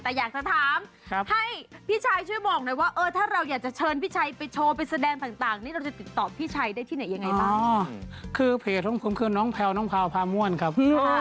แต่ก็อยากจะถามให้พี่ชัยช่วยบอกหน่อยว่าถ้าเราอยากเชิญไปใช้พี่ชัยไปโชว์ไปแสดงต่างนี่เราจะติดต่อพี่ชัยได้ที่ไหนครับ